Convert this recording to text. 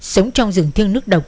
sống trong rừng thiêng nước độc